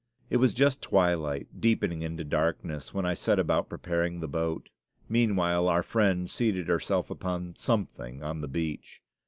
It was just twilight, deepening into darkness, when I set about preparing the boat. Meanwhile our Friend seated herself upon something on the beach.